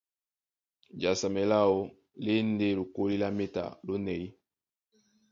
Jasamɛ láō lá e ndé lokólí lá méta lónɛ̌y.